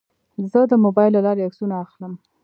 زه د موبایل له لارې عکسونه اخلم.